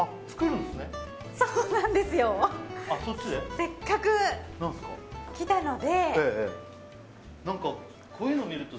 せっかく来たので。